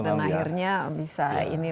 dan akhirnya bisa